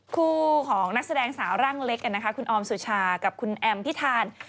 คู่ของนักแสดงสาวร่างเล็กคุณออมสุชากับคุณแอมพิธาน